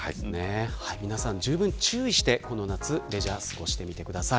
皆さん、じゅうぶん注意してこの夏レジャー過ごしてみてください。